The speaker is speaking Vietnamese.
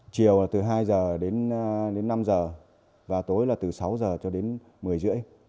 chiều từ hai giờ đến năm giờ và tối là từ sáu giờ cho đến một mươi rưỡi